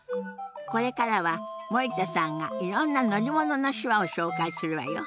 これからは森田さんがいろんな乗り物の手話を紹介するわよ。